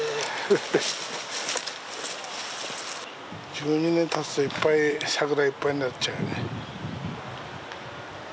１２年たつと桜いっぱいになっちゃうね。